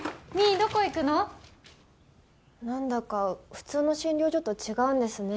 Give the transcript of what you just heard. なんだか普通の診療所と違うんですね。